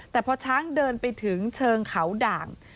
แต่พอช้างเดินไปถึงเชิงเขาด่าง